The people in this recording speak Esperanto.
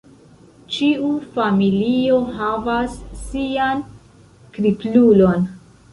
Ĉiu familio havas sian kriplulon.